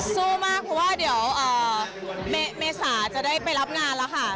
สู้มากเพราะว่าเดี๋ยวเมษาจะได้ไปรับงานแล้วค่ะ